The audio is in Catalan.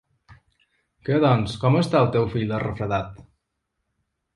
Què, doncs, com està el teu fill del refredat?